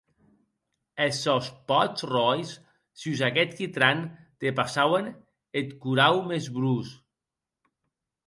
Es sòns pòts ròis sus aqueth quitran depassauen eth corau mès blos.